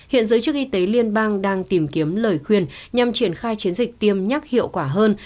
hiện giới chức y tế liên bang đang tìm kiếm lời khuyên nhằm triển khai chiến dịch tiêm nhắc hiệu quả hơn